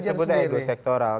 itu yang saya sebut ego sektoral